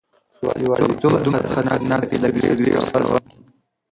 یوازیتوب دومره خطرناک دی لکه سګرټ څکول.